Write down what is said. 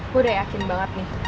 udah yakin banget nih